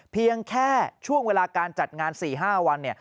เพียงแค่ช่วงเวลาการจัดงาน๔๕วัน